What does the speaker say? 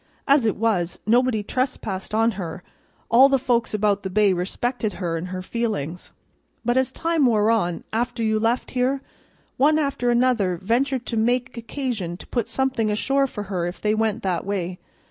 "As it was, nobody trespassed on her; all the folks about the bay respected her an' her feelings; but as time wore on, after you left here, one after another ventured to make occasion to put somethin' ashore for her if they went that way.